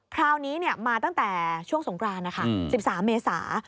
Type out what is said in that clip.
คราวนี้มาตั้งแต่ช่วงสงกรานนะคะ๑๓เมษา